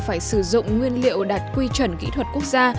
phải sử dụng nguyên liệu đạt quy chuẩn kỹ thuật quốc gia